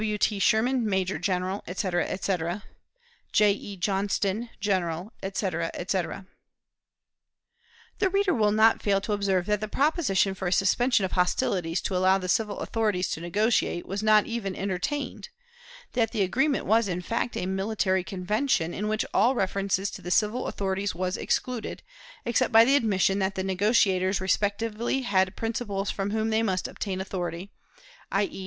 "W. T. SHERMAN, Major General, etc., etc. "J. E. JOHNSTON, General, etc., etc." The reader will not fail to observe that the proposition for a suspension of hostilities to allow the civil authorities to negotiate, was not even entertained; that the agreement was, in fact, a military convention, in which all reference to the civil authorities was excluded, except by the admission that the negotiators respectively had principals from whom they must obtain authority, i. e.